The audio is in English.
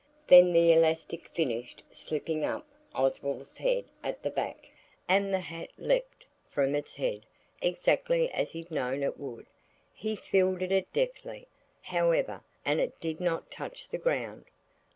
Then the elastic finished slipping up Oswald's head at the back, and the hat leapt from his head exactly as he'd known it would. He fielded it deftly, however, and it did not touch the ground.